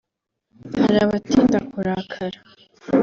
Hari abatinda kurakara